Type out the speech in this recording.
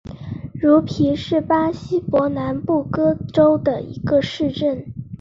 茹皮是巴西伯南布哥州的一个市镇。